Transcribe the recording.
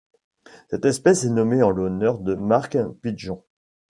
Cette espèce est nommée en l'honneur de Mark Pidgeon.